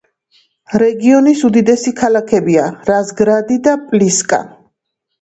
რეგიონის უდიდესი ქალაქებია რაზგრადი და პლისკა.